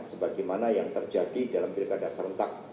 sebagaimana yang terjadi dalam pilkada serentak